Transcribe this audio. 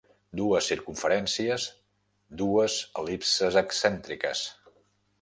Dues circumferències, dues el·lipses excèntriques.